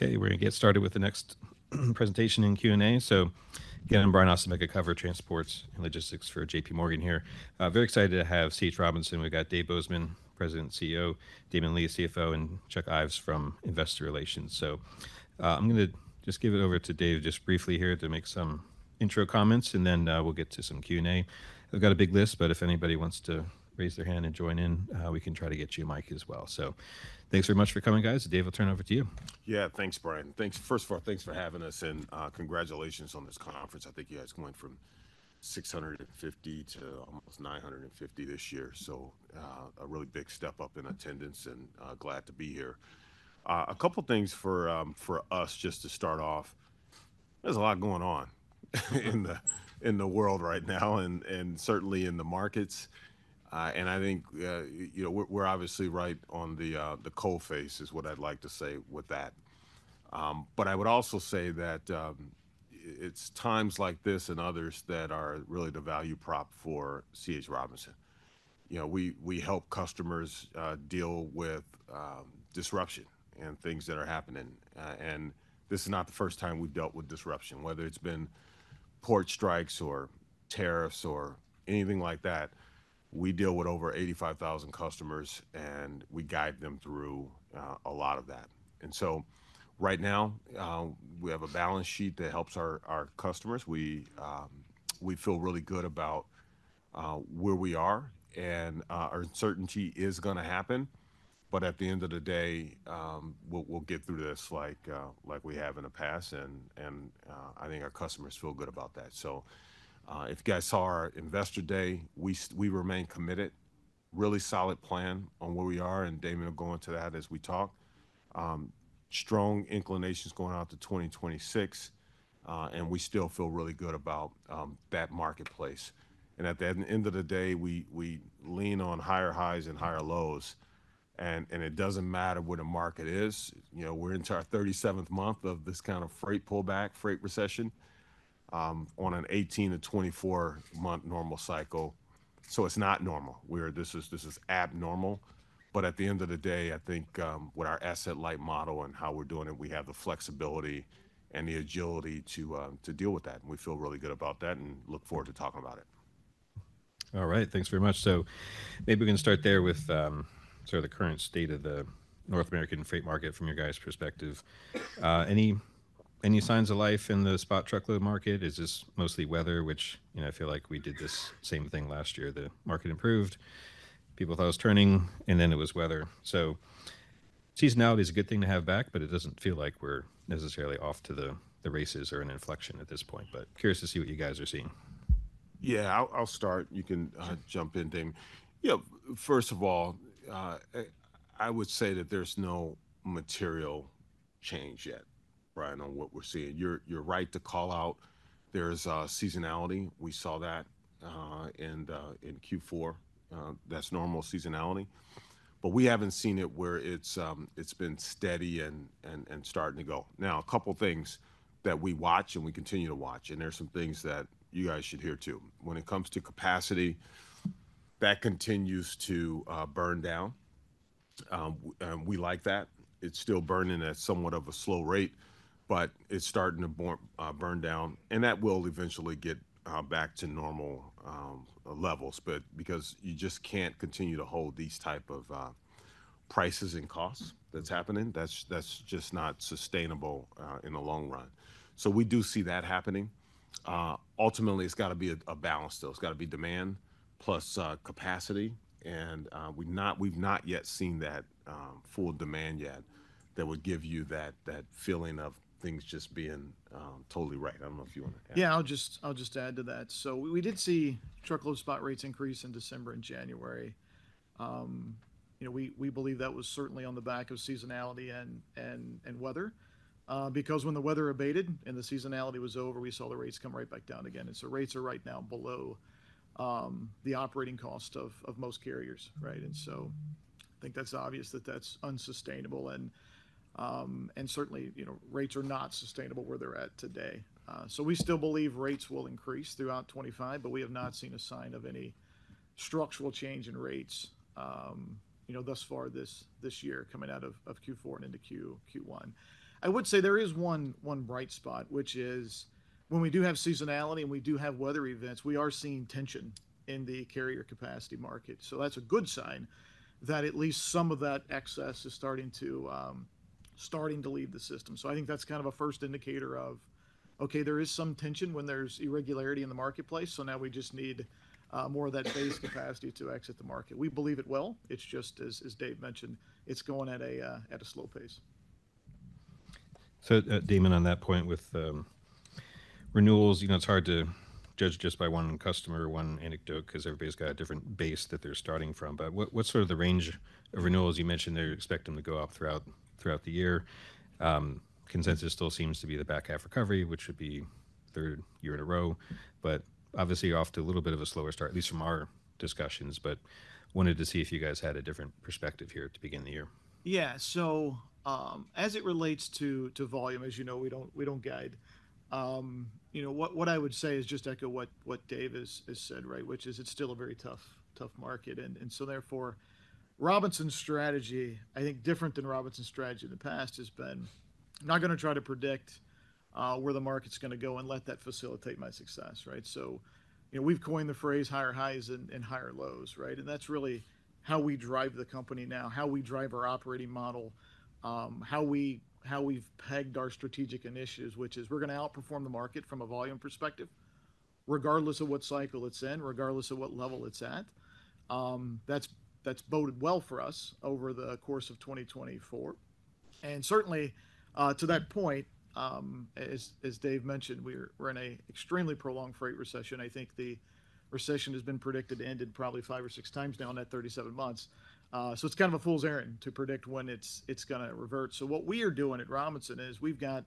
Okay, we're going to get started with the next presentation and Q&A. Again, I'm Brian Ossenbeck at Cover Transport and Logistics for JPMorgan here. Very excited to have C.H. Robinson. We've got Dave Bozeman, President and CEO; Damon Lee, CFO; and Chuck Ives from Investor Relations. I'm going to just give it over to Dave just briefly here to make some intro comments, and then we'll get to some Q&A. We've got a big list, but if anybody wants to raise their hand and join in, we can try to get you a mic as well. Thanks very much for coming, guys. Dave, I'll turn it over to you. Yeah, thanks, Brian. Thanks first of all, thanks for having us, and congratulations on this conference. I think you guys went from 650 to almost 950 this year, so a really big step up in attendance, and glad to be here. A couple of things for us just to start off: there's a lot going on in the world right now, and certainly in the markets. I think, you know, we're obviously right on the coal face, is what I'd like to say with that. I would also say that it's times like this and others that are really the value prop for C.H. Robinson. You know, we help customers deal with disruption and things that are happening. This is not the first time we've dealt with disruption, whether it's been port strikes or tariffs or anything like that. We deal with over 85,000 customers, and we guide them through a lot of that. Right now, we have a balance sheet that helps our customers. We feel really good about where we are, and our uncertainty is going to happen. At the end of the day, we'll get through this like we have in the past, and I think our customers feel good about that. If you guys saw our Investor Day, we remain committed, really solid plan on where we are, and Damon will go into that as we talk. Strong inclinations going out to 2026, and we still feel really good about that marketplace. At the end of the day, we lean on higher highs and higher lows, and it doesn't matter where the market is. You know, we're into our 37th month of this kind of freight pullback, freight recession, on an 18-24 month normal cycle. It is not normal. This is abnormal. At the end of the day, I think with our asset-light model and how we're doing it, we have the flexibility and the agility to deal with that, and we feel really good about that and look forward to talking about it. All right, thanks very much. Maybe we can start there with sort of the current state of the North American freight market from your guys' perspective. Any signs of life in the spot truckload market? Is this mostly weather, which, you know, I feel like we did this same thing last year: the market improved, people thought it was turning, and then it was weather. Seasonality is a good thing to have back, but it does not feel like we are necessarily off to the races or an inflection at this point. Curious to see what you guys are seeing. Yeah, I'll start. You can jump in, Damon. You know, first of all, I would say that there's no material change yet, Brian, on what we're seeing. You're right to call out there's seasonality. We saw that in Q4. That's normal seasonality. We haven't seen it where it's been steady and starting to go. Now, a couple of things that we watch and we continue to watch, and there's some things that you guys should hear too. When it comes to capacity, that continues to burn down. We like that. It's still burning at somewhat of a slow rate, but it's starting to burn down, and that will eventually get back to normal levels. Because you just can't continue to hold these types of prices and costs that's happening, that's just not sustainable in the long run. We do see that happening. Ultimately, it's got to be a balance still. It's got to be demand plus capacity, and we've not yet seen that full demand yet that would give you that feeling of things just being totally right. I don't know if you want to add. Yeah, I'll just add to that. We did see truckload spot rates increase in December and January. You know, we believe that was certainly on the back of seasonality and weather, because when the weather abated and the seasonality was over, we saw the rates come right back down again. Rates are right now below the operating cost of most carriers, right? I think that's obvious that that's unsustainable, and certainly, you know, rates are not sustainable where they're at today. We still believe rates will increase throughout 2025, but we have not seen a sign of any structural change in rates, you know, thus far this year, coming out of Q4 and into Q1. I would say there is one bright spot, which is when we do have seasonality and we do have weather events, we are seeing tension in the carrier capacity market. That is a good sign that at least some of that excess is starting to leave the system. I think that is kind of a first indicator of, okay, there is some tension when there is irregularity in the marketplace, so now we just need more of that base capacity to exit the market. We believe it will. It is just, as Dave mentioned, it is going at a slow pace. Damon, on that point with renewals, you know, it's hard to judge just by one customer or one anecdote, because everybody's got a different base that they're starting from. What's sort of the range of renewals? You mentioned they expect them to go up throughout the year. Consensus still seems to be the back half recovery, which would be third year in a row. Obviously, you're off to a little bit of a slower start, at least from our discussions, but wanted to see if you guys had a different perspective here to begin the year. Yeah, so as it relates to volume, as you know, we don't guide. You know, what I would say is just echo what Dave has said, right, which is it's still a very tough market. Therefore, Robinson's strategy, I think different than Robinson's strategy in the past, has been I'm not going to try to predict where the market's going to go and let that facilitate my success, right? You know, we've coined the phrase higher highs and higher lows, right? That's really how we drive the company now, how we drive our operating model, how we've pegged our strategic initiatives, which is we're going to outperform the market from a volume perspective, regardless of what cycle it's in, regardless of what level it's at. That's boded well for us over the course of 2024. Certainly, to that point, as Dave mentioned, we're in an extremely prolonged freight recession. I think the recession has been predicted to end probably five or six times now in that 37 months. It's kind of a fool's errand to predict when it's going to revert. What we are doing at Robinson is we've got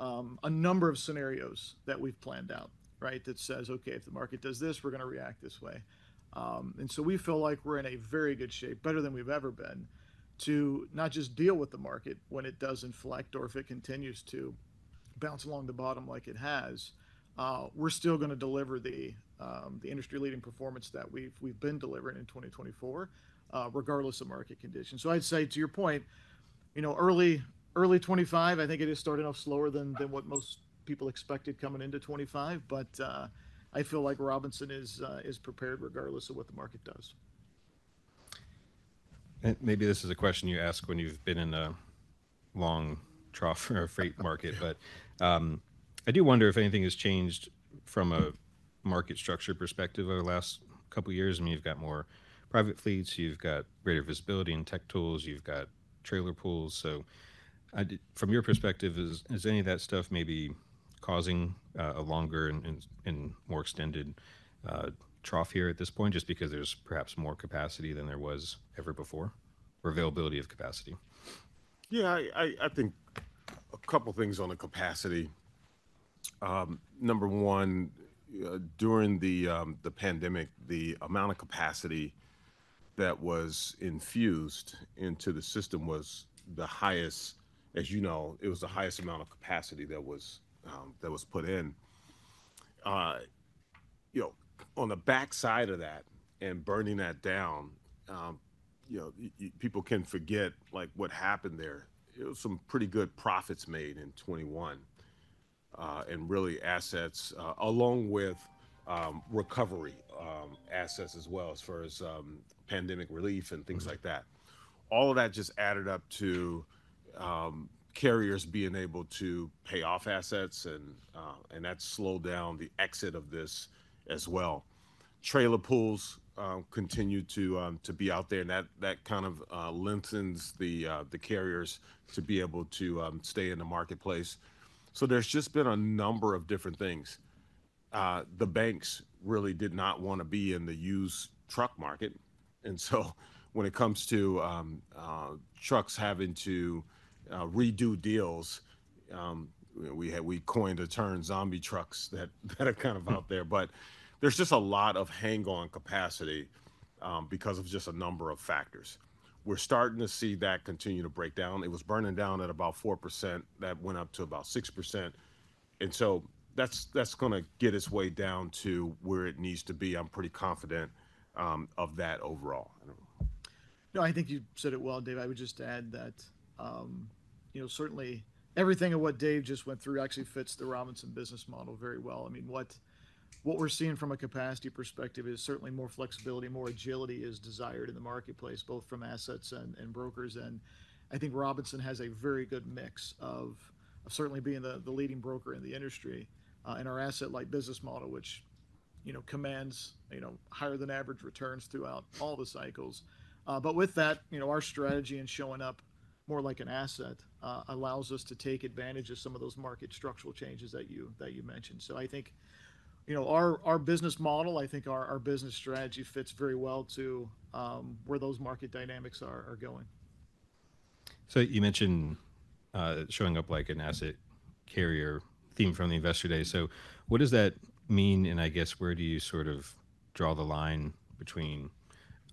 a number of scenarios that we've planned out, right, that says, okay, if the market does this, we're going to react this way. We feel like we're in very good shape, better than we've ever been, to not just deal with the market when it does inflect or if it continues to bounce along the bottom like it has, we're still going to deliver the industry-leading performance that we've been delivering in 2024, regardless of market conditions. I'd say to your point, you know, early 2025, I think it is starting off slower than what most people expected coming into 2025, but I feel like Robinson is prepared regardless of what the market does. Maybe this is a question you ask when you've been in a long trough or freight market, but I do wonder if anything has changed from a market structure perspective over the last couple of years. I mean, you've got more private fleets, you've got greater visibility in tech tools, you've got trailer pools. From your perspective, is any of that stuff maybe causing a longer and more extended trough here at this point, just because there's perhaps more capacity than there was ever before or availability of capacity? Yeah, I think a couple of things on the capacity. Number one, during the pandemic, the amount of capacity that was infused into the system was the highest, as you know, it was the highest amount of capacity that was put in. You know, on the backside of that and burning that down, you know, people can forget like what happened there. There were some pretty good profits made in 2021, and really assets, along with recovery assets as well, as far as pandemic relief and things like that. All of that just added up to carriers being able to pay off assets, and that slowed down the exit of this as well. Trailer pools continued to be out there, and that kind of lengthens the carriers to be able to stay in the marketplace. There has just been a number of different things. The banks really did not want to be in the used truck market. When it comes to trucks having to redo deals, we coined the term zombie trucks that are kind of out there, but there's just a lot of hang-on capacity because of just a number of factors. We're starting to see that continue to break down. It was burning down at about 4%. That went up to about 6%. That is going to get its way down to where it needs to be. I'm pretty confident of that overall. No, I think you said it well, Dave. I would just add that, you know, certainly everything of what Dave just went through actually fits the Robinson business model very well. I mean, what we're seeing from a capacity perspective is certainly more flexibility, more agility is desired in the marketplace, both from assets and brokers. I think Robinson has a very good mix of certainly being the leading broker in the industry and our asset-light business model, which, you know, commands, you know, higher than average returns throughout all the cycles. With that, you know, our strategy in showing up more like an asset allows us to take advantage of some of those market structural changes that you mentioned. I think, you know, our business model, I think our business strategy fits very well to where those market dynamics are going. You mentioned showing up like an asset carrier theme from the Investor Day. What does that mean, and I guess where do you sort of draw the line between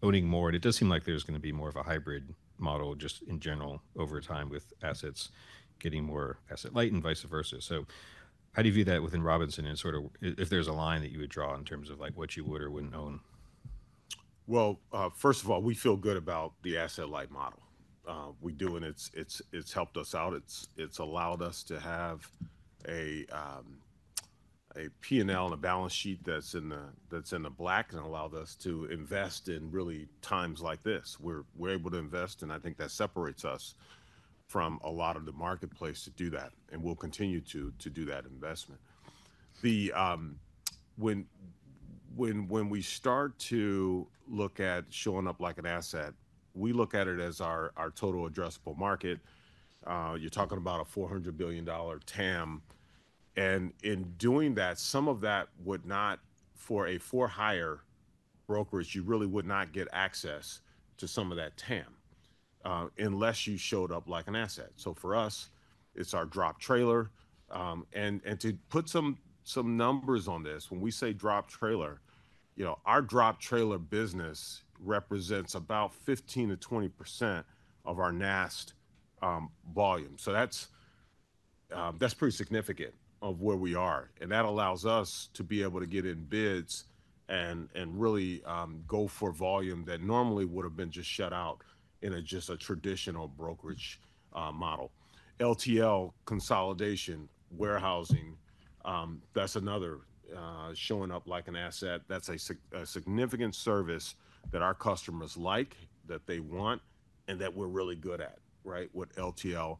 owning more? It does seem like there's going to be more of a hybrid model just in general over time with assets getting more asset-light and vice versa. How do you view that within Robinson and sort of if there's a line that you would draw in terms of like what you would or wouldn't own? First of all, we feel good about the asset-light model. We do, and it's helped us out. It's allowed us to have a P&L and a balance sheet that's in the black and allowed us to invest in really times like this. We're able to invest, and I think that separates us from a lot of the marketplace to do that, and we'll continue to do that investment. When we start to look at showing up like an asset, we look at it as our total addressable market. You're talking about a $400 billion TAM. In doing that, some of that would not, for a for-hire brokerage, you really would not get access to some of that TAM unless you showed up like an asset. For us, it's our drop trailer. To put some numbers on this, when we say drop trailer, you know, our drop trailer business represents about 15%-20% of our NAST volume. That is pretty significant of where we are. That allows us to be able to get in bids and really go for volume that normally would have been just shut out in just a traditional brokerage model. LTL consolidation, warehousing, that is another showing up like an asset. That is a significant service that our customers like, that they want, and that we are really good at, right? With LTL.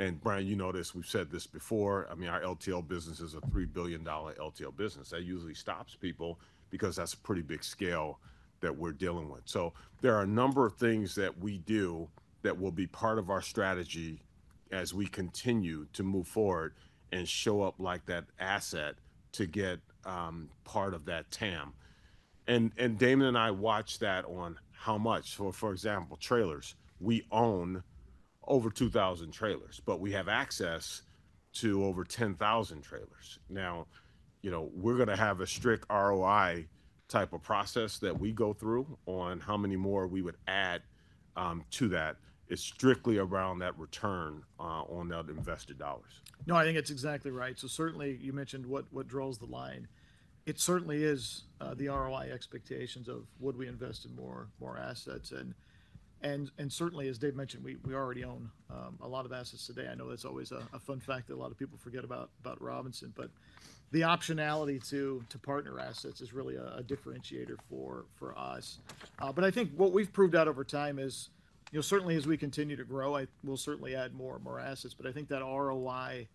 And Brian, you noticed we have said this before. I mean, our LTL business is a $3 billion LTL business. That usually stops people because that is a pretty big scale that we are dealing with. There are a number of things that we do that will be part of our strategy as we continue to move forward and show up like that asset to get part of that TAM. Damon and I watch that on how much. For example, trailers, we own over 2,000 trailers, but we have access to over 10,000 trailers. Now, you know, we're going to have a strict ROI type of process that we go through on how many more we would add to that. It's strictly around that return on that invested dollars. No, I think it's exactly right. Certainly, you mentioned what draws the line. It certainly is the ROI expectations of would we invest in more assets. Certainly, as Dave mentioned, we already own a lot of assets today. I know that's always a fun fact that a lot of people forget about Robinson, but the optionality to partner assets is really a differentiator for us. I think what we've proved out over time is, you know, certainly as we continue to grow, we'll certainly add more assets, but I think that ROI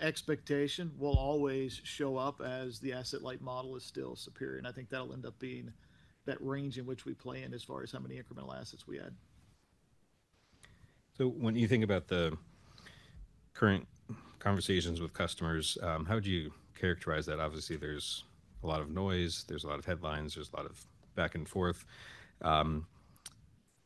expectation will always show up as the asset-light model is still superior. I think that'll end up being that range in which we play in as far as how many incremental assets we add. When you think about the current conversations with customers, how would you characterize that? Obviously, there's a lot of noise, there's a lot of headlines, there's a lot of back and forth.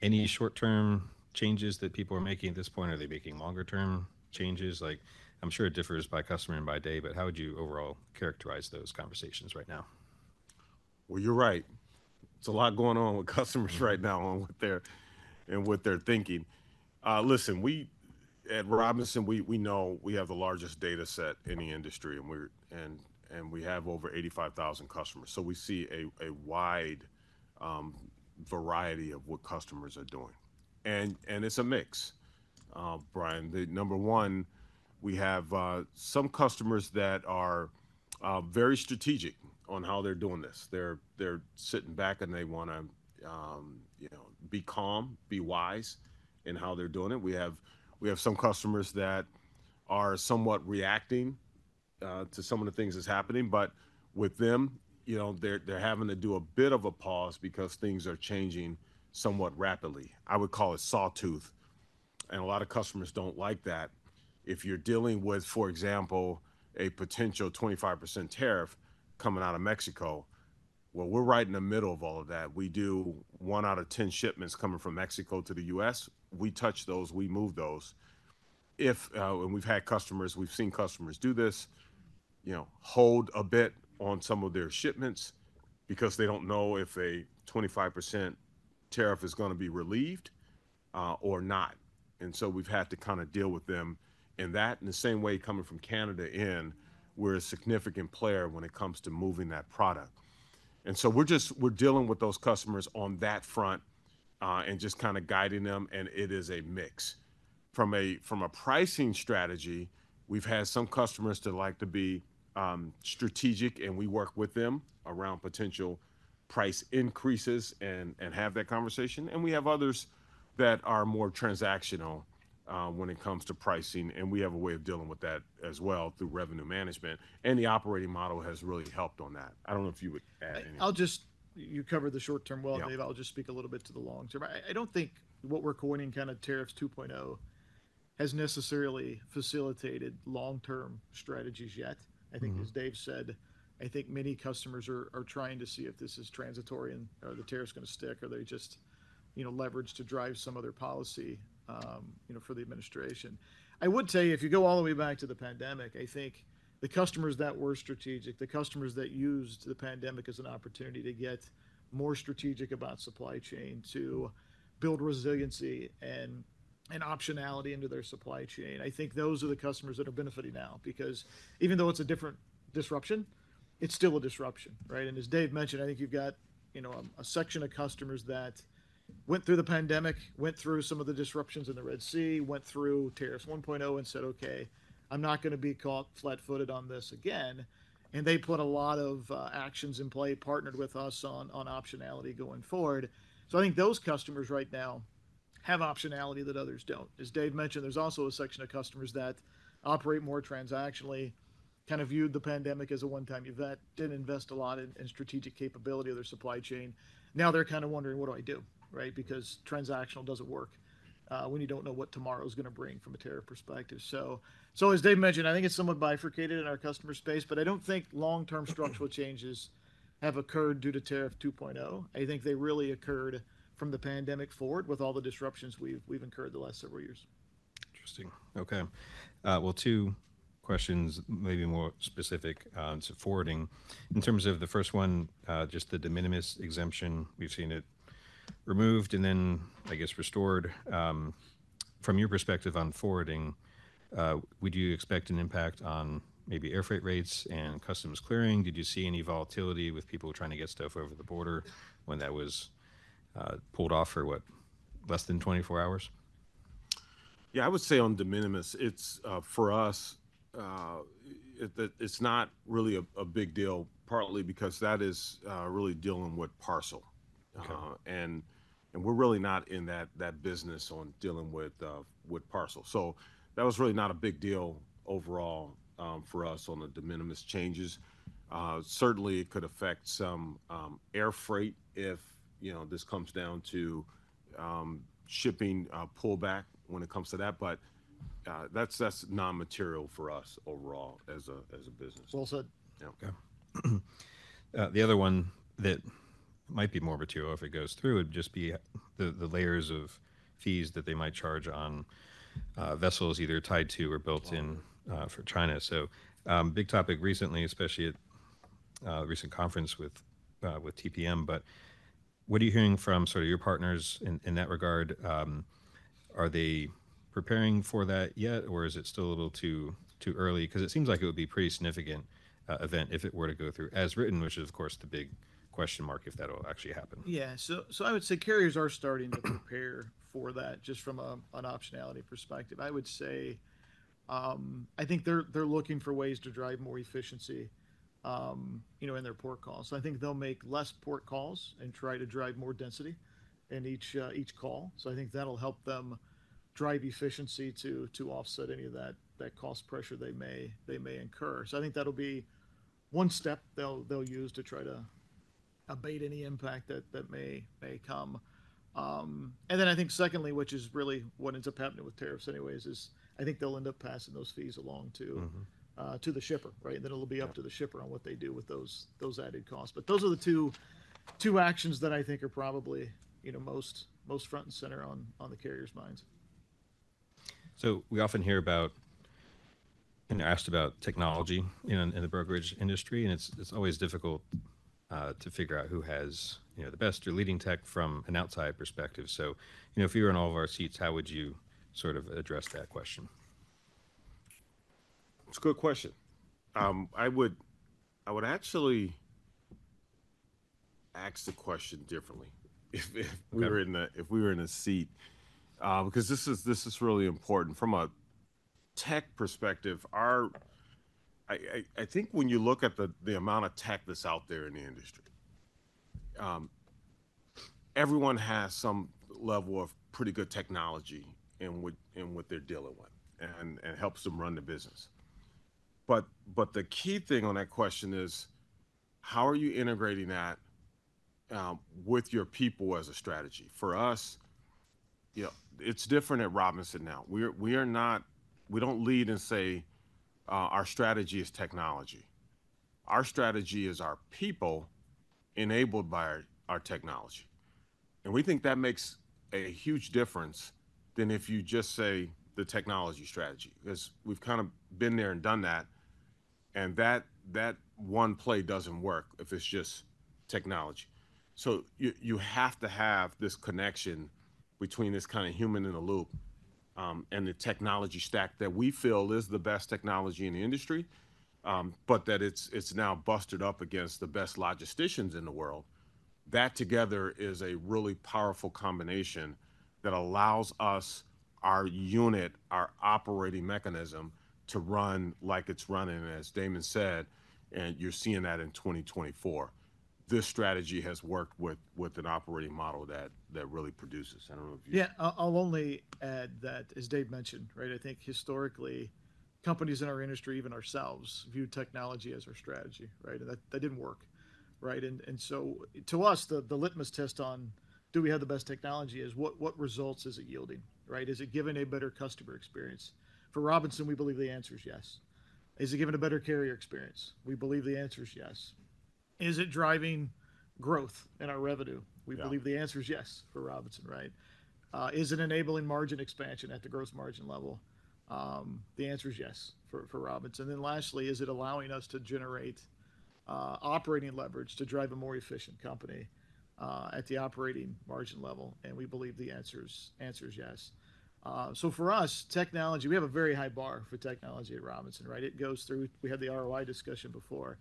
Any short-term changes that people are making at this point? Are they making longer-term changes? Like, I'm sure it differs by customer and by day, but how would you overall characterize those conversations right now? You're right. It's a lot going on with customers right now and what they're thinking. Listen, at Robinson, we know we have the largest data set in the industry, and we have over 85,000 customers. We see a wide variety of what customers are doing. It's a mix, Brian. Number one, we have some customers that are very strategic on how they're doing this. They're sitting back and they want to be calm, be wise in how they're doing it. We have some customers that are somewhat reacting to some of the things that's happening, but with them, you know, they're having to do a bit of a pause because things are changing somewhat rapidly. I would call it sawtooth. A lot of customers don't like that. If you're dealing with, for example, a potential 25% tariff coming out of Mexico, we're right in the middle of all of that. We do one out of ten shipments coming from Mexico to the U.S. We touch those, we move those. We've had customers, we've seen customers do this, you know, hold a bit on some of their shipments because they don't know if a 25% tariff is going to be relieved or not. We've had to kind of deal with them in that. The same way coming from Canada in, we're a significant player when it comes to moving that product. We're just, we're dealing with those customers on that front and just kind of guiding them. It is a mix. From a pricing strategy, we've had some customers that like to be strategic, and we work with them around potential price increases and have that conversation. We have others that are more transactional when it comes to pricing. We have a way of dealing with that as well through revenue management. The operating model has really helped on that. I don't know if you would add anything. I'll just, you cover the short-term well, Dave. I'll just speak a little bit to the long-term. I don't think what we're coining kind of tariffs 2.0 has necessarily facilitated long-term strategies yet. I think, as Dave said, I think many customers are trying to see if this is transitory and are the tariffs going to stick or they just, you know, leverage to drive some other policy, you know, for the administration. I would say if you go all the way back to the pandemic, I think the customers that were strategic, the customers that used the pandemic as an opportunity to get more strategic about supply chain to build resiliency and optionality into their supply chain, I think those are the customers that are benefiting now because even though it's a different disruption, it's still a disruption, right? As Dave mentioned, I think you've got, you know, a section of customers that went through the pandemic, went through some of the disruptions in the Red Sea, went through tariffs 1.0 and said, "Okay, I'm not going to be caught flat-footed on this again." They put a lot of actions in play, partnered with us on optionality going forward. I think those customers right now have optionality that others don't. As Dave mentioned, there's also a section of customers that operate more transactionally, kind of viewed the pandemic as a one-time event, didn't invest a lot in strategic capability of their supply chain. Now they're kind of wondering, "What do I do?" Right? Because transactional doesn't work when you don't know what tomorrow is going to bring from a tariff perspective. As Dave mentioned, I think it's somewhat bifurcated in our customer space, but I don't think long-term structural changes have occurred due to tariff 2.0. I think they really occurred from the pandemic forward with all the disruptions we've incurred the last several years. Interesting. Okay. Two questions, maybe more specific to forwarding. In terms of the first one, just the de minimis exemption, we've seen it removed and then, I guess, restored. From your perspective on forwarding, would you expect an impact on maybe air freight rates and customs clearing? Did you see any volatility with people trying to get stuff over the border when that was pulled off for what, less than 24 hours? Yeah, I would say on de minimis, for us, it's not really a big deal, partly because that is really dealing with parcel. And we're really not in that business on dealing with parcel. That was really not a big deal overall for us on the de minimis changes. Certainly, it could affect some air freight if, you know, this comes down to shipping pullback when it comes to that, but that's non-material for us overall as a business. Well said. Okay. The other one that might be more material if it goes through would just be the layers of fees that they might charge on vessels either tied to or built in for China. Big topic recently, especially at a recent conference with TPM, but what are you hearing from sort of your partners in that regard? Are they preparing for that yet or is it still a little too early? It seems like it would be a pretty significant event if it were to go through as written, which is, of course, the big question mark if that will actually happen. Yeah. I would say carriers are starting to prepare for that just from an optionality perspective. I would say I think they're looking for ways to drive more efficiency, you know, in their port calls. I think they'll make fewer port calls and try to drive more density in each call. I think that'll help them drive efficiency to offset any of that cost pressure they may incur. I think that'll be one step they'll use to try to abate any impact that may come. I think secondly, which is really what ends up happening with tariffs anyways, is I think they'll end up passing those fees along to the shipper, right? It'll be up to the shipper on what they do with those added costs. Those are the two actions that I think are probably, you know, most front and center on the carrier's minds. We often hear about and are asked about technology in the brokerage industry, and it's always difficult to figure out who has, you know, the best or leading tech from an outside perspective. You know, if you were in all of our seats, how would you sort of address that question? It's a good question. I would actually ask the question differently if we were in a seat because this is really important. From a tech perspective, I think when you look at the amount of tech that's out there in the industry, everyone has some level of pretty good technology in what they're dealing with and helps them run the business. The key thing on that question is, how are you integrating that with your people as a strategy? For us, you know, it's different at Robinson now. We are not, we don't lead and say our strategy is technology. Our strategy is our people enabled by our technology. We think that makes a huge difference than if you just say the technology strategy because we've kind of been there and done that. That one play doesn't work if it's just technology. You have to have this connection between this kind of human in the loop and the technology stack that we feel is the best technology in the industry, but that it's now busted up against the best logisticians in the world. That together is a really powerful combination that allows us, our unit, our operating mechanism to run like it's running, as Damon said, and you're seeing that in 2024. This strategy has worked with an operating model that really produces. I don't know if you. Yeah, I'll only add that, as Dave mentioned, right? I think historically, companies in our industry, even ourselves, viewed technology as our strategy, right? That didn't work, right? To us, the litmus test on do we have the best technology is what results is it yielding, right? Is it giving a better customer experience? For Robinson, we believe the answer is yes. Is it giving a better carrier experience? We believe the answer is yes. Is it driving growth in our revenue? We believe the answer is yes for Robinson, right? Is it enabling margin expansion at the gross margin level? The answer is yes for Robinson. Lastly, is it allowing us to generate operating leverage to drive a more efficient company at the operating margin level? We believe the answer is yes. For us, technology, we have a very high bar for technology at Robinson, right? It goes through, we had the ROI discussion before.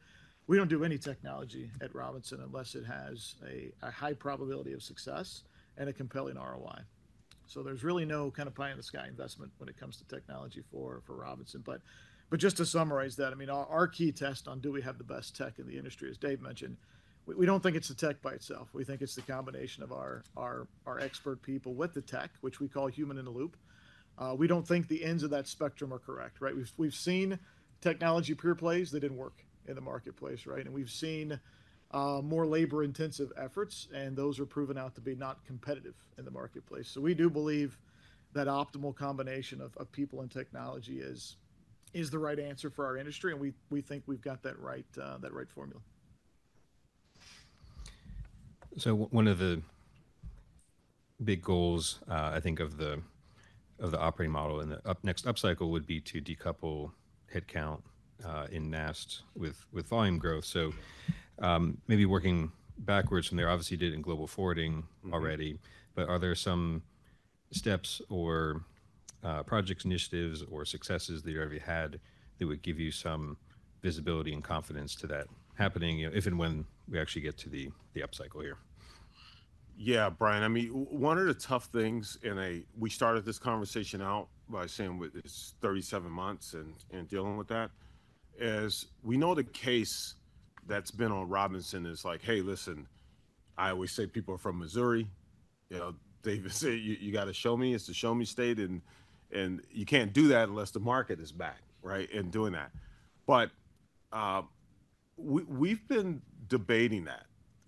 We do not do any technology at Robinson unless it has a high probability of success and a compelling ROI. There is really no kind of pie in the sky investment when it comes to technology for Robinson. Just to summarize that, I mean, our key test on do we have the best tech in the industry, as Dave mentioned, we do not think it is the tech by itself. We think it is the combination of our expert people with the tech, which we call human in the loop. We do not think the ends of that spectrum are correct, right? We have seen technology pure plays that did not work in the marketplace, right? We have seen more labor-intensive efforts, and those are proven out to be not competitive in the marketplace. We do believe that optimal combination of people and technology is the right answer for our industry, and we think we have that right formula. One of the big goals, I think, of the operating model in the next upcycle would be to decouple headcount in NAST with volume growth. Maybe working backwards from there, obviously you did in global forwarding already, but are there some steps or project initiatives or successes that you already had that would give you some visibility and confidence to that happening, you know, if and when we actually get to the upcycle here? Yeah, Brian, I mean, one of the tough things in a, we started this conversation out by saying it's 37 months and dealing with that, is we know the case that's been on Robinson is like, "Hey, listen, I always say people are from Missouri." You know, Dave would say, "You got to show me, it's a show me state, and you can't do that unless the market is back, right?" Doing that. We have been debating that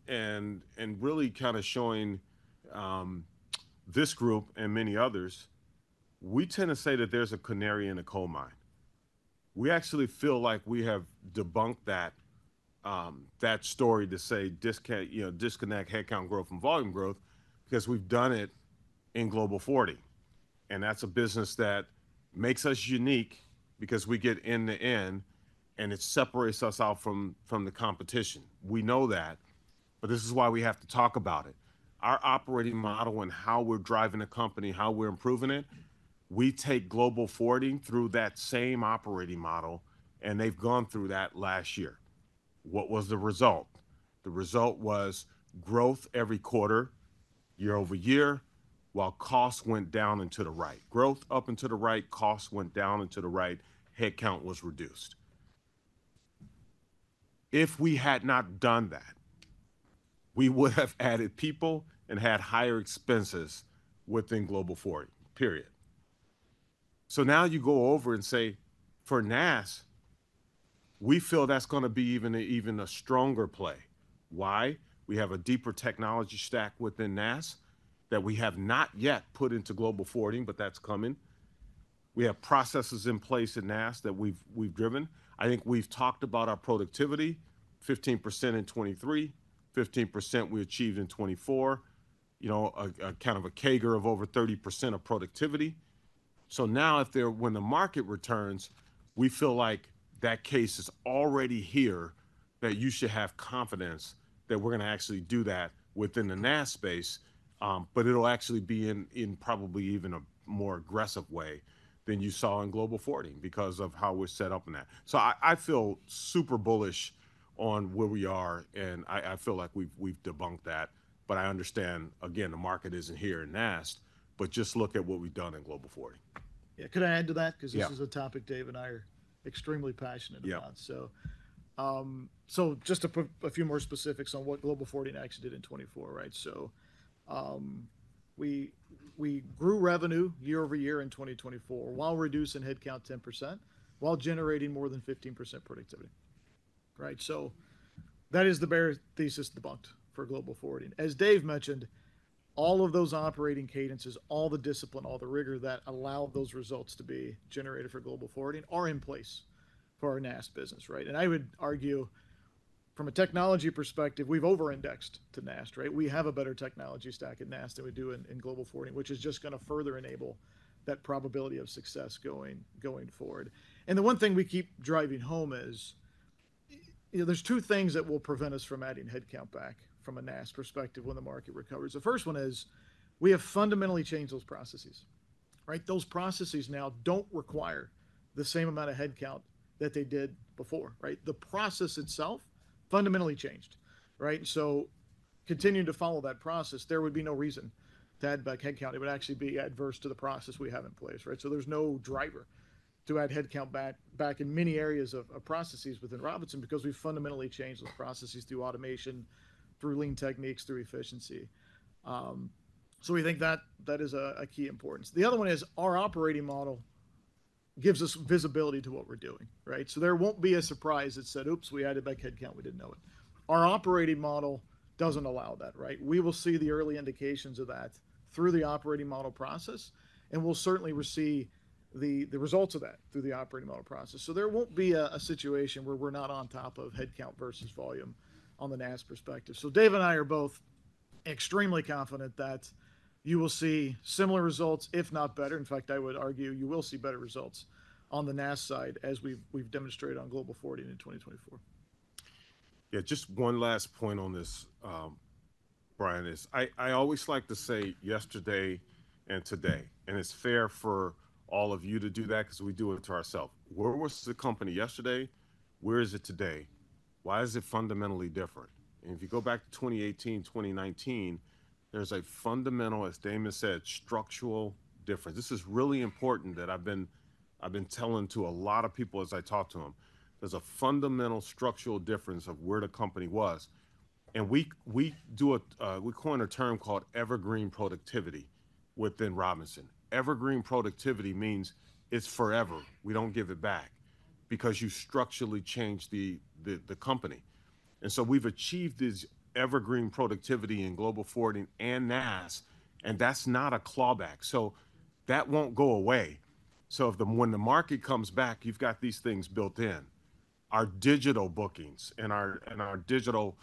and really kind of showing this group and many others, we tend to say that there's a canary in a coal mine. We actually feel like we have debunked that story to say, you know, disconnect headcount growth and volume growth because we've done it in global forwarding. That's a business that makes us unique because we get end to end and it separates us out from the competition. We know that, but this is why we have to talk about it. Our operating model and how we're driving a company, how we're improving it, we take global forwarding through that same operating model, and they've gone through that last year. What was the result? The result was growth every quarter, year over year, while costs went down into the right. Growth up into the right, costs went down into the right, headcount was reduced. If we had not done that, we would have added people and had higher expenses within global forwarding, period. Now you go over and say, "For NAST, we feel that's going to be even a stronger play." Why? We have a deeper technology stack within NAST that we have not yet put into global forwarding, but that's coming. We have processes in place in NAST that we've driven. I think we've talked about our productivity, 15% in 2023, 15% we achieved in 2024, you know, a kind of a CAGR of over 30% of productivity. Now, if there, when the market returns, we feel like that case is already here that you should have confidence that we're going to actually do that within the NAST space, but it'll actually be in probably even a more aggressive way than you saw in global forwarding because of how we're set up in that. I feel super bullish on where we are, and I feel like we've debunked that, but I understand, again, the market isn't here in NAST, but just look at what we've done in global forwarding. Yeah. Could I add to that? Because this is a topic Dave and I are extremely passionate about. Just a few more specifics on what global forwarding actually did in 2024, right? We grew revenue year over year in 2024 while reducing headcount 10%, while generating more than 15% productivity, right? That is the bare thesis debunked for global forwarding. As Dave mentioned, all of those operating cadences, all the discipline, all the rigor that allow those results to be generated for global forwarding are in place for our NAST business, right? I would argue from a technology perspective, we've over-indexed to NAST, right? We have a better technology stack in NAST than we do in global forwarding, which is just going to further enable that probability of success going forward. The one thing we keep driving home is, you know, there's two things that will prevent us from adding headcount back from a NAST perspective when the market recovers. The first one is we have fundamentally changed those processes, right? Those processes now don't require the same amount of headcount that they did before, right? The process itself fundamentally changed, right? Continuing to follow that process, there would be no reason to add back headcount. It would actually be adverse to the process we have in place, right? There's no driver to add headcount back in many areas of processes within Robinson because we've fundamentally changed those processes through automation, through lean techniques, through efficiency. We think that is of key importance. The other one is our operating model gives us visibility to what we're doing, right? There won't be a surprise that said, "Oops, we added back headcount, we didn't know it." Our operating model doesn't allow that, right? We will see the early indications of that through the operating model process, and we'll certainly receive the results of that through the operating model process. There won't be a situation where we're not on top of headcount versus volume on the NAST perspective. Dave and I are both extremely confident that you will see similar results, if not better. In fact, I would argue you will see better results on the NAST side as we've demonstrated on global forwarding in 2024. Yeah, just one last point on this, Brian, is I always like to say yesterday and today, and it's fair for all of you to do that because we do it to ourselves. Where was the company yesterday? Where is it today? Why is it fundamentally different? If you go back to 2018, 2019, there's a fundamental, as Damon said, structural difference. This is really important that I've been telling to a lot of people as I talk to them. There's a fundamental structural difference of where the company was. We do a, we coined a term called evergreen productivity within Robinson. Evergreen productivity means it's forever. We don't give it back because you structurally change the company. We've achieved this evergreen productivity in global forwarding and NAST, and that's not a clawback. That won't go away. When the market comes back, you've got these things built in. Our digital bookings and our digital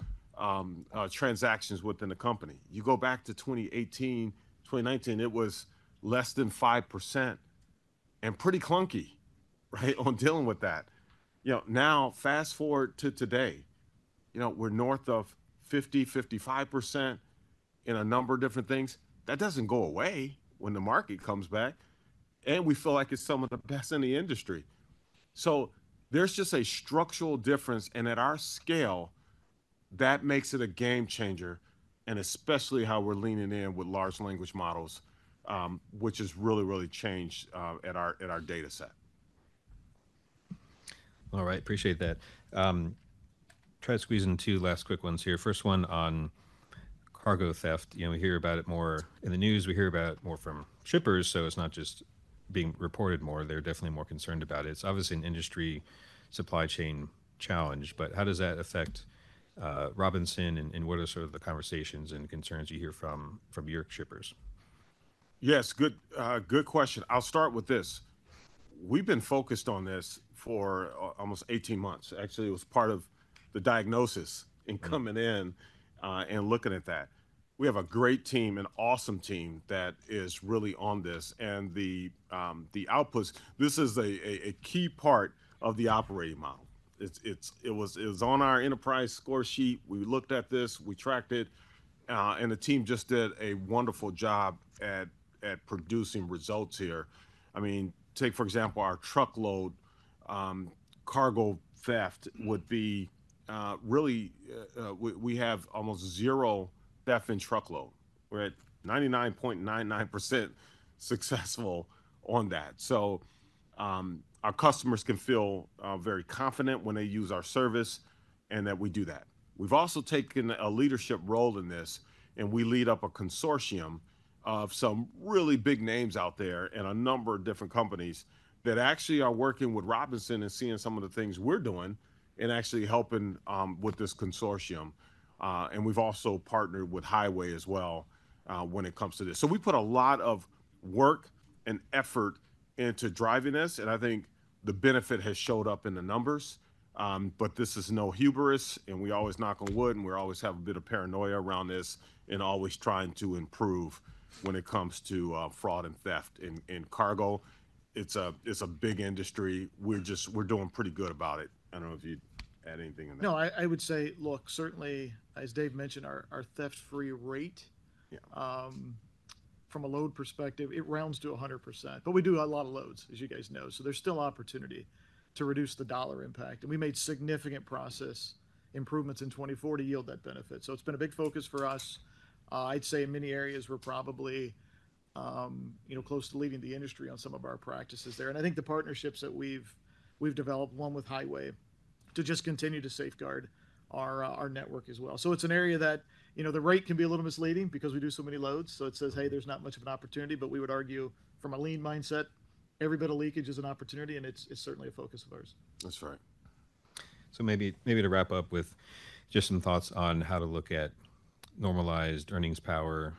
transactions within the company, you go back to 2018, 2019, it was less than 5% and pretty clunky, right, on dealing with that. You know, now fast forward to today, you know, we're north of 50-55% in a number of different things. That doesn't go away when the market comes back, and we feel like it's some of the best in the industry. There's just a structural difference, and at our scale, that makes it a game changer, and especially how we're leaning in with large language models, which has really, really changed at our data set. All right, appreciate that. Try to squeeze in two last quick ones here. First one on cargo theft. You know, we hear about it more in the news. We hear about it more from shippers, so it's not just being reported more. They're definitely more concerned about it. It's obviously an industry supply chain challenge, but how does that affect Robinson, and what are sort of the conversations and concerns you hear from your shippers? Yes, good question. I'll start with this. We've been focused on this for almost 18 months. Actually, it was part of the diagnosis in coming in and looking at that. We have a great team, an awesome team that is really on this, and the outputs, this is a key part of the operating model. It was on our enterprise score sheet. We looked at this, we tracked it, and the team just did a wonderful job at producing results here. I mean, take for example, our truckload cargo theft would be really, we have almost zero theft in truckload. We're at 99.99% successful on that. Our customers can feel very confident when they use our service and that we do that. We've also taken a leadership role in this, and we lead up a consortium of some really big names out there and a number of different companies that actually are working with Robinson and seeing some of the things we're doing and actually helping with this consortium. We've also partnered with Highway as well when it comes to this. We put a lot of work and effort into driving this, and I think the benefit has showed up in the numbers, but this is no hubris, and we always knock on wood, and we always have a bit of paranoia around this and always trying to improve when it comes to fraud and theft in cargo. It's a big industry. We're doing pretty good about it. I don't know if you'd add anything on that. No, I would say, look, certainly, as Dave mentioned, our theft-free rate from a load perspective, it rounds to 100%, but we do a lot of loads, as you guys know. There is still opportunity to reduce the dollar impact, and we made significant process improvements in 2024 to yield that benefit. It has been a big focus for us. I'd say in many areas, we're probably, you know, close to leading the industry on some of our practices there. I think the partnerships that we've developed, one with Highway, just continue to safeguard our network as well. It is an area that, you know, the rate can be a little misleading because we do so many loads. It says, "Hey, there's not much of an opportunity," but we would argue from a lean mindset, every bit of leakage is an opportunity, and it's certainly a focus of ours. That's right. Maybe to wrap up with just some thoughts on how to look at normalized earnings power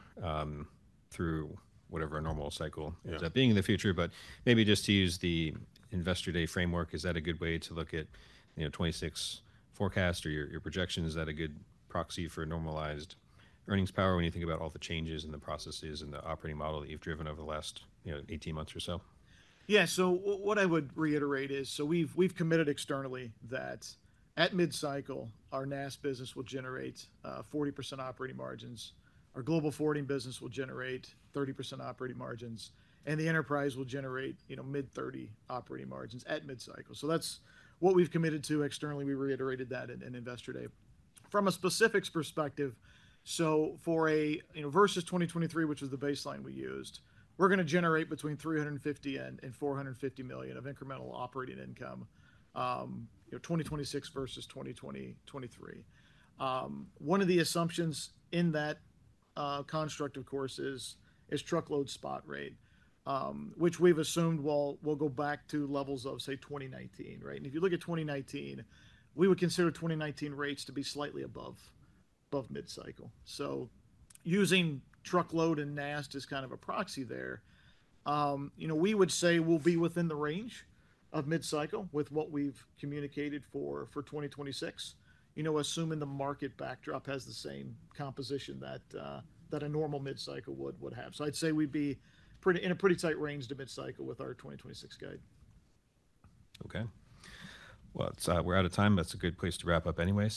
through whatever normal cycle ends up being in the future, but maybe just to use the investor day framework, is that a good way to look at, you know, 2026 forecast or your projection? Is that a good proxy for normalized earnings power when you think about all the changes in the processes and the operating model that you've driven over the last, you know, 18 months or so? Yeah, so what I would reiterate is, so we've committed externally that at mid-cycle, our NAST business will generate 40% operating margins. Our global forwarding business will generate 30% operating margins, and the enterprise will generate, you know, mid-30% operating margins at mid-cycle. That's what we've committed to externally. We reiterated that in investor day. From a specifics perspective, so for a, you know, versus 2023, which was the baseline we used, we're going to generate between $350 million and $450 million of incremental operating income, you know, 2026 versus 2023. One of the assumptions in that construct, of course, is truckload spot rate, which we've assumed will go back to levels of, say, 2019, right? If you look at 2019, we would consider 2019 rates to be slightly above mid-cycle. Using truckload and NAST as kind of a proxy there, you know, we would say we'll be within the range of mid-cycle with what we've communicated for 2026, you know, assuming the market backdrop has the same composition that a normal mid-cycle would have. I'd say we'd be in a pretty tight range to mid-cycle with our 2026 guide. Okay. We're out of time. That's a good place to wrap up anyway.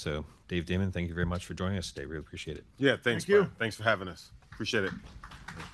Dave, Damon, thank you very much for joining us today. We appreciate it. Yeah, thanks. Thanks for having us. Appreciate it.